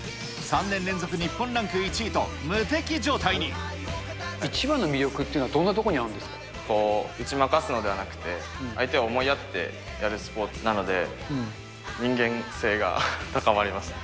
３年連続日本ランク１位と、一番の魅力っていうのは、打ち負かすのではなくて、相手を思いやってやるスポーツなので、人間性が高まりますね。